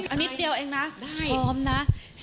อันนี้เดียวเองนะพร้อมนะ